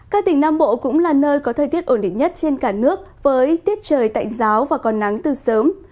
các tỉnh nam bộ cũng là nơi có thời tiết ổn định nhất trên cả nước với tiết trời tạnh giáo và còn nắng từ sớm